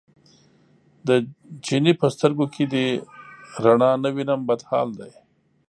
د چیني په سترګو کې دې رڼا نه وینم بد حال دی.